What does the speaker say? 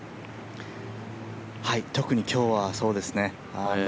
特に今日はそうですね。